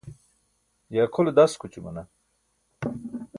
ye akʰole daskućumana?